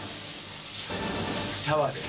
シャワーです。